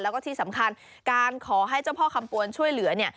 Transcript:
แล้วก็ที่สำคัญการขอให้เจ้าพ่อคำปวนช่วยเหลือเนี่ย